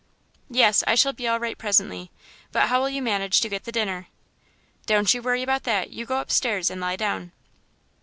"Yes, I shall be all right presently. But how'll you manage to get the dinner?" "Don't you worry about that; you go upstairs and lie down."